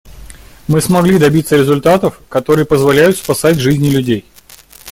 Мы смогли добиться результатов, которые позволяют спасать жизни людей.